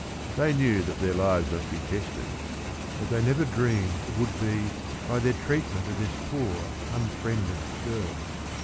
They knew that their lives must be tested, but they never dreamed it would be by their treatment of this poor un friended girl.